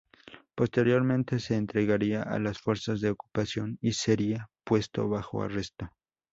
Posteriormente, se entregaría a las fuerzas de ocupación y sería puesto bajo arresto.